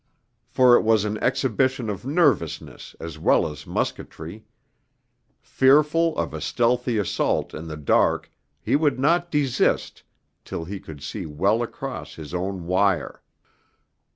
For it was an exhibition of nervousness as well as musketry: fearful of a stealthy assault in the dark, he would not desist till he could see well across his own wire.